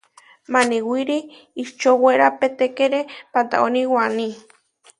Maniwirí ihčorewapatékere pantaóni waní.